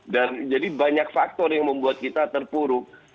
dan jadi banyak faktor yang membuat kita terpuruk